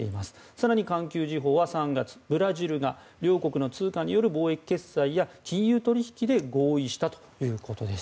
更に環球時報は、３月ブラジルが両国の通貨による貿易決済や金融取引で合意したということです。